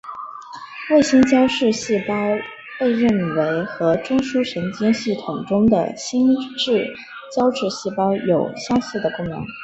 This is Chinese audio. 卫星胶质细胞被认为和中枢神经系统中的星型胶质细胞有相似的功能。